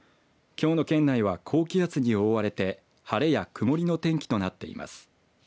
きょうの県内は高気圧に覆われて晴れや曇りの天気となっています。